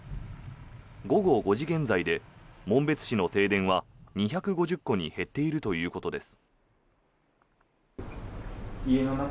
午後５時現在で紋別市の停電は２５０戸に減っているということです。